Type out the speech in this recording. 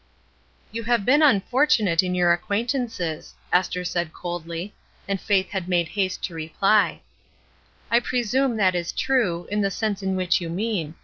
"You have been unfortunate in your ac quaintances," Esther said coldly; and Faith had made haste to reply :— "I presume that is true, in the sense in which you mean.